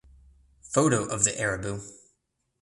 Photo of the Aribu